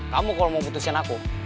kamu kalau mau putusin aku